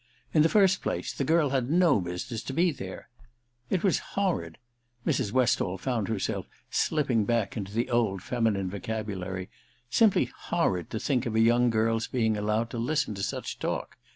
In the first place, the girl had no business to be there. It was * horrid '— Mrs. Westall found herself slip ping back into the old feminine vocabulary — simply * horrid ' to think of a young girl's being allowed to listen to such talk.